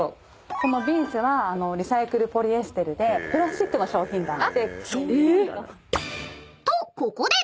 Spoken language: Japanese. このビーズはリサイクルポリエステルでプラスチックの商品棚で。